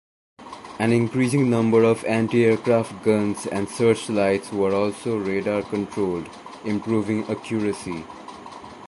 An increasing number of anti-aircraft guns and searchlights were also radar-controlled, improving accuracy.